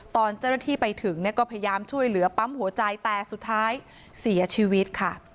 ตอนเจ้าหน้าที่ไปถึงเนี่ยก็พยายามช่วยเหลือปั๊มหัวใจแต่สุดท้ายเสียชีวิตค่ะ